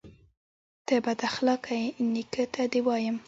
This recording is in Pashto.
_ته بد اخلاقه يې، نيکه ته دې وايم.